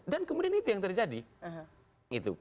dan kemudian itu yang terjadi